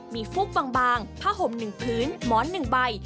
มีฟุกบางผ้าห่มหนึ่งพื้นหมอนหนึ่งใบ